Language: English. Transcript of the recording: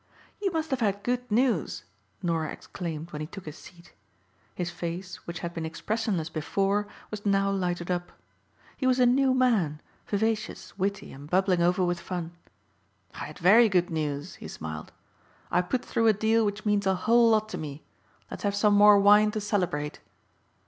"You must have had good news," Norah exclaimed when he took his seat. His face which had been expressionless before was now lighted up. He was a new man, vivacious, witty and bubbling over with fun. "I had very good news," he smiled, "I put through a deal which means a whole lot to me. Let's have some more wine to celebrate."